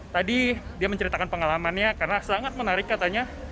tadi dia menceritakan pengalamannya karena sangat menarik katanya